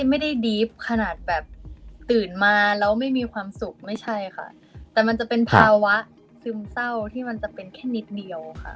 ไม่ได้ดีฟขนาดแบบตื่นมาแล้วไม่มีความสุขไม่ใช่ค่ะแต่มันจะเป็นภาวะซึมเศร้าที่มันจะเป็นแค่นิดเดียวค่ะ